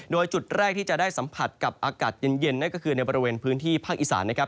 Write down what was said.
โดยจุดแรกที่จะได้สัมผัสกับอากาศเย็นนั่นก็คือในบริเวณพื้นที่ภาคอีสานนะครับ